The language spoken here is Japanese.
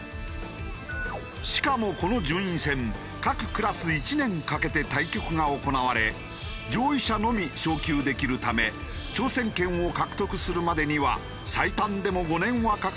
しかもこの順位戦各クラス１年かけて対局が行われ上位者のみ昇級できるため挑戦権を獲得するまでには最短でも５年はかかる過酷な道だ。